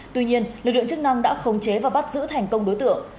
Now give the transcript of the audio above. tuy nhiên lực lượng chức năng đã khống chế và bắt giữ thành công đối tượng